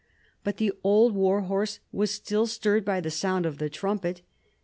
But the old war horse was still stirred by the sound of the trumpet.